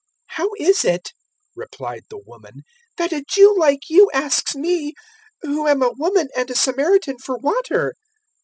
004:009 "How is it," replied the woman, "that a Jew like you asks me, who am a woman and a Samaritan, for water?"